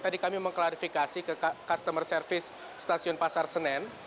tadi kami mengklarifikasi ke customer service stasiun pasar senen